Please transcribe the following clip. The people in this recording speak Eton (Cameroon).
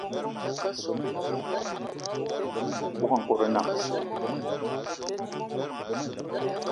Abogo a nkòt nnam